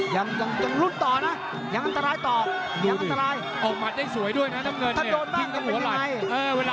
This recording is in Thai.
อ้อยังอลุ่นต่อนะยังอันตรายต่อ